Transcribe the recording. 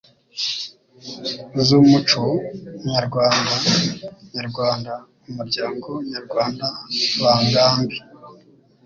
Zumucu nyarwand nyarwanda, umuryango nyarwanda, bangambi